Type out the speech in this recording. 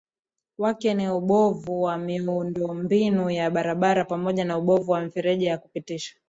wake ni ubovu wa miundombinu ya Barabara pamoja na ubovu wa mifereji ya kupitisha